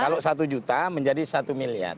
kalau satu juta menjadi satu miliar